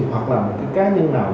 hoặc là một cái cá nhân nào